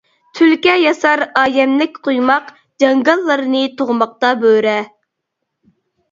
تۈلكە ياسار ئايەملىك قۇيماق، جاڭگاللارنى تۇغماقتا بۆرە.